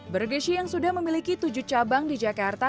bergeshi yang sudah memiliki tujuh cabang di jakarta